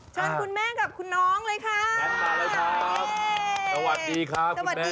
ชอบคุณแม่กับคุณน้องเลยค่ะนั่นมาแล้วครับสวัสดีค่ะคุณแม่